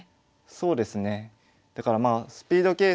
そうですね。